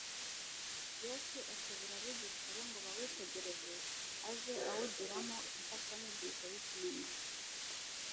Yesu akebura abigishwa be ngo bawitegereze, aze awugiramo imfashanyigisho y'ikimenyetso.